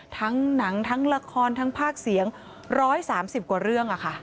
หนังทั้งละครทั้งภาคเสียง๑๓๐กว่าเรื่อง